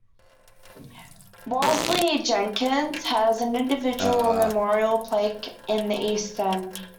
Wolseley-Jenkins, has an individual memorial plaque in the east end.